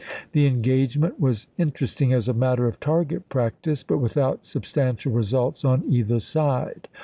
The engagement was interesting as a matter of target practice, but without substantial results on either side.